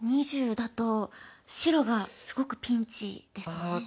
２０だと白がすごくピンチですね。